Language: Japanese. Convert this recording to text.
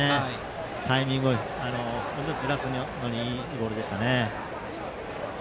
タイミングをずらすのにいいボールでしたね。